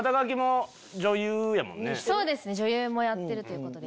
そうですね女優もやってるということで。